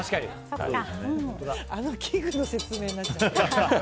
あの器具の説明になっちゃって。